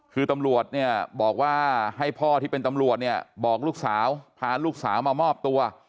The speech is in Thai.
คือตำรวจเนี่ยบอกว่าให้พ่อที่เป็นตำรวจเนี่ยบอกลูกสาวพาลูกสาวมามอบตัว